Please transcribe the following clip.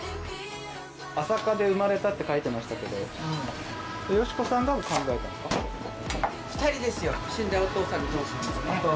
「朝霞で生まれた」って書いてましたけど美子さんが考えたんですか？